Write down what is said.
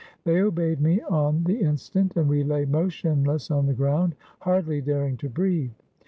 They obeyed me on the instant, and we lay motionless on the ground, hardly daring to breathe.